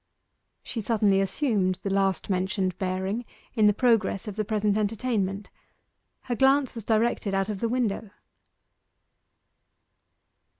She suddenly assumed the last mentioned bearing in the progress of the present entertainment. Her glance was directed out of the window.